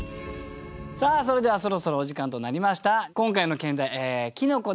それではそろそろお時間となりました。